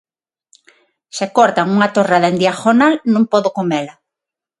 Se cortan unha torrada en diagonal, non podo comela.